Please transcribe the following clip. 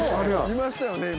「いましたよね今」